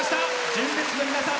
純烈の皆さん。